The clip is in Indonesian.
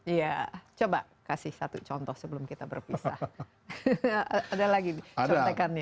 iya coba kasih satu contoh sebelum kita berpisah ada lagi contekannya